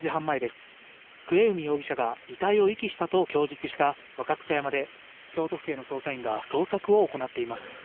末海容疑者が遺体を遺棄したと供述した若草山で、京都府警の捜査員が捜索を行っています。